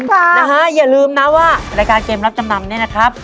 ค่ะนะฮะอย่าลืมนะว่ารายการเกมรับจำนำเนี่ยนะครับ